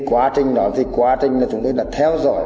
quá trình đó thì quá trình là chúng tôi đã theo dõi